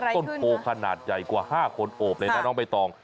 ต้นโพขนาดใหญ่กว่า๕คนโอบเลยนะน้องใบตอง